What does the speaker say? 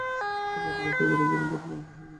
সে বাড়ির আগাগোড়া যেন বদল হইয়া গেছে।